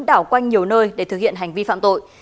đảo quanh nhiều nơi để thực hiện hành vi phạm tội